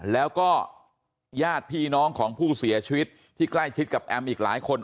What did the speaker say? แล้วก็ญาติพี่น้องของผู้เสียชีวิตที่ใกล้ชิดกับแอมอีกหลายคน